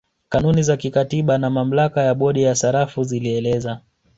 Kanuni za kikatiba na mamlaka ya bodi ya sarafu zilieleza